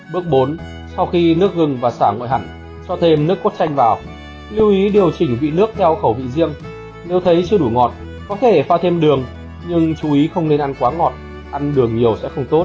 bước bốn sau khi nước gừng và xả ngoại hẳn cho thêm nước quất chanh vào lưu ý điều chỉnh vị nước theo khẩu vị riêng nếu thấy chưa đủ ngọt có thể phai thêm đường nhưng chú ý không nên ăn quá ngọt ăn đường nhiều sẽ không tốt